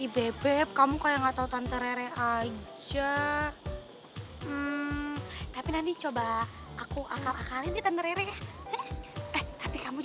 bebek malam kamu bisa nggak kalau kamu bisa datang nanti aku jemput